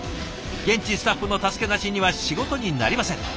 現地スタッフの助けなしには仕事になりません。